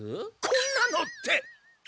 「こんなの」って。